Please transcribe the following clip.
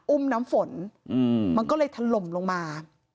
อุ้มน้ำฝนมันก็เลยถล่มลงมา